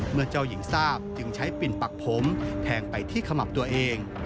เจ้าหญิงทราบจึงใช้ปิ่นปักผมแทงไปที่ขมับตัวเอง